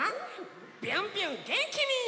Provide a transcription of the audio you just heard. ビュンビュンげんきに！